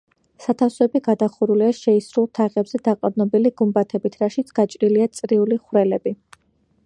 სათავსოები გადახურულია შეისრულ თაღებზე დაყრდნობილი გუმბათებით, რაშიც გაჭრილია წრიული ხვრელები.